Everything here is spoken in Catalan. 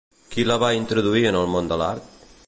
Qui la va introduir en el món de l'art?